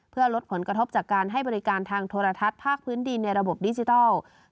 เพื่อลดผลกระทบจากการให้บริการทางโทรทัศน์ภาคพื้นดินในระบบดิจิทัล